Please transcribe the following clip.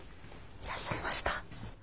いらっしゃいました。